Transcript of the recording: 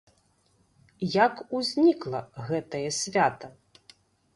Як узнікла гэтае свята?